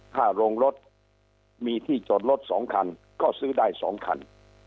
โรงรถมีที่จอดรถสองคันก็ซื้อได้สองคัน